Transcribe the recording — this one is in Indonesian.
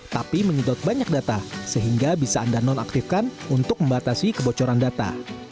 tapi menginjau banyak data sehingga bisa anda non aktifkan untuk membatasi kebocoran data